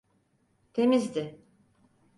Temizdi.